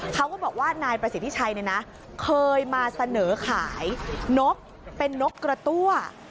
เขาก็บอกว่านายประสิทธิชัยเนี่ยนะเคยมาเสนอขายนกเป็นนกกระตั้ว